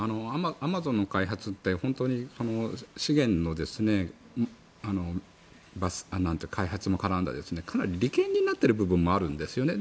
アマゾンの開発って本当に資源の開発も絡んだかなり利権になってる部分もあるんですよね。